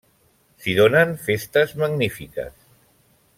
S'hi donen festes magnífiques.